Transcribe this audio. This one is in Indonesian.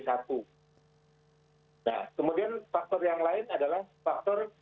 nah kemudian faktor yang lain adalah faktor